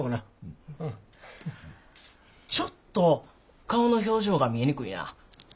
ちょっと顔の表情が見えにくいな。